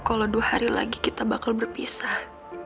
kalau dua hari lagi kita bakal berpisah